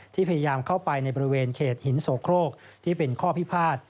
พยายามเข้าไปในบริเวณเขตหินโสโครกที่เป็นข้อพิพาท